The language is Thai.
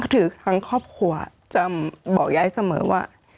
คือทางครอบครัวจะบอกยายเสมอว่า